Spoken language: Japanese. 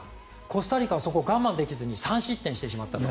コスタリカはそこを我慢できずに３失点してしまったと。